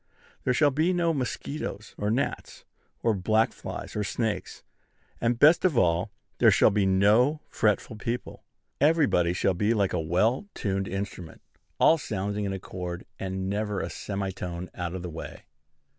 There shall be no mosquitoes, or gnats, or black flies, or snakes; and, best of all, there shall be no fretful people. Everybody shall be like a well tuned instrument, all sounding in accord, and never a semitone out of the way.